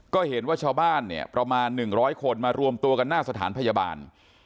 ก็เห็นว่าชาวบ้านเนี่ยประมาณ๑๐๐คนมารวมตัวกันหน้าสถานพยาบาล